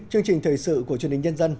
chương trình thời sự của chương trình nhân dân